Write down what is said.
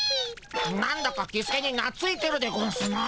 なんだかキスケになついてるでゴンスな。